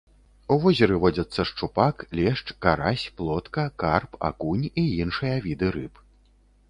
У возеры водзяцца шчупак, лешч, карась, плотка, карп, акунь і іншыя віды рыб.